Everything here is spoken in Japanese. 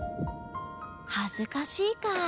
恥ずかしいか。